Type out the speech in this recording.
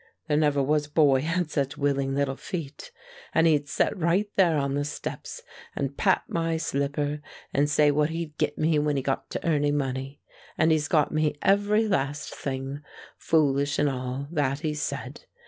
There never was a boy had such willing little feet. And he'd set right there on the steps and pat my slipper and say what he'd git me when he got to earning money; and he's got me every last thing, foolish and all, that he said.